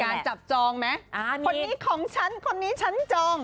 จับจองไหมคนนี้ของฉันคนนี้ฉันจอง